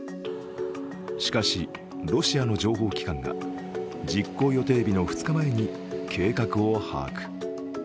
しかし、ロシアの情報機関が実行予定日の２日前に計画を把握。